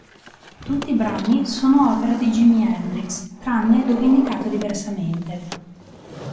Tutti i brani sono opera di Jimi Hendrix, tranne dove indicato diversamente.